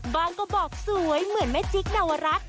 บ้างก็บอกสวยเหมือนแม่จิ๊กนวรักษ์